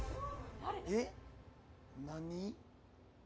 えっ何？